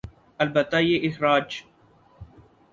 البتہ یہ اخراج